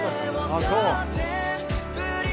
あっそう。